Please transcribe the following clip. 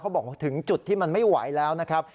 บอกว่าถึงจุดที่มันไม่ไหวแล้วนะครับ